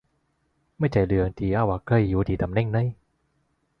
มันไม่น่าจะใช่การกล่าวหาว่า ใครอยู่ที่ตำแหน่งไหน